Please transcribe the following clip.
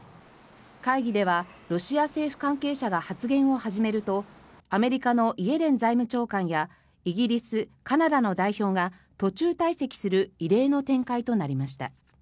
会議ではロシア政府関係者が発言を始めるとアメリカのイエレン財務長官やイギリス、カナダの代表が途中退席する異例の展開となりました。